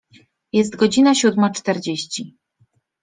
Jest godzina siódma czterdzieści.